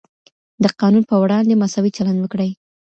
د قانون په وړاندې مساوي چلند وکړئ.